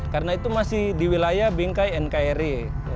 karena itu masih di wilayah bingkai nkri